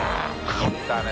撮ったね。